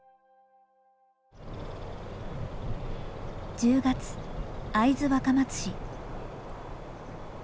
１０月会津若松市。